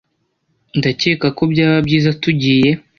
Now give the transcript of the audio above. Ndakeka ko byaba byiza tugiye